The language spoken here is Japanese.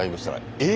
えっ！